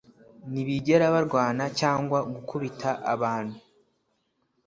ntibigera barwana cyangwa gukubita abantu